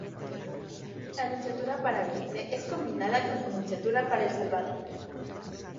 La nunciatura para Belice es combinada con la nunciatura para El Salvador.